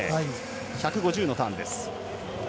１５０のターン。